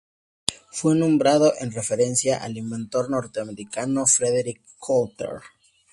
Fue nombrado en referencia al inventor norteamericano Frederick Cottrell.